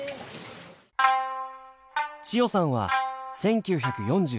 千代さんは１９４３年生まれ。